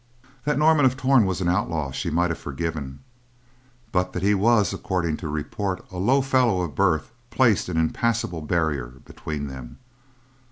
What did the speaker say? That Norman of Torn was an outlaw she might have forgiven, but that he was, according to report, a low fellow of no birth placed an impassable barrier between them.